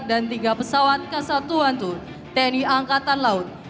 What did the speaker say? dan tiga pesawat kasa dua ratus dua belas tni angkatan laut